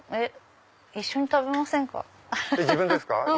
一緒に食べませんか？